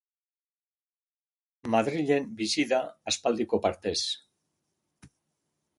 Madrilen bizi da aspaldiko partez.